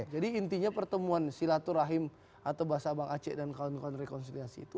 jadi intinya pertemuan silaturahim atau bahasa bang aceh dan kawan kawan rekonsiliasi itu